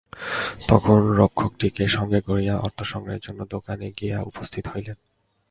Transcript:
তখন রক্ষকটিকে সঙ্গে করিয়া অর্থসংগ্রহের জন্য দোকানে গিয়া উপস্থিত হইলেন।